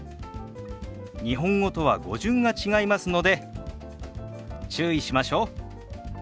日本語とは語順が違いますので注意しましょう。